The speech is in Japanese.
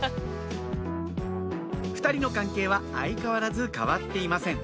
２人の関係は相変わらず変わっていません